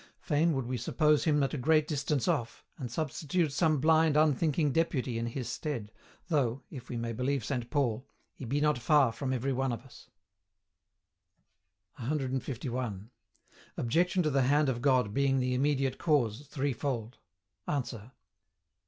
Fain would we suppose Him at a great distance off, and substitute some blind unthinking deputy in His stead, though (if we may believe Saint Paul) "He be not far from every one of us." 151. OBJECTION TO THE HAND OF GOD BEING THE IMMEDIATE CAUSE, THREEFOLD. ANSWER.